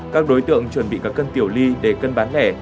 các đối tượng chuẩn bị các cân tiểu ly để cân bán lẻ